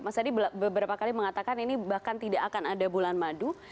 mas adi beberapa kali mengatakan ini bahkan tidak akan ada bulan madu